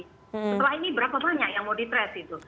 setelah ini berapa banyak yang mau di trace itu